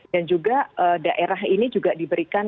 dan juga daerah ini juga diberikan